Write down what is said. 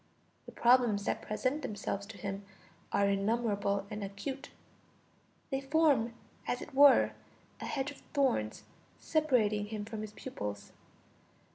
The problems that present themselves to him are innumerable and acute; they form as it were a hedge of thorns separating him from his pupils.